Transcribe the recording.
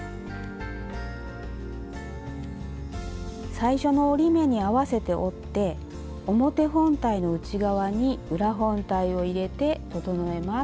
最初の折り目に合わせて折って表本体の内側に裏本体を入れて整えます。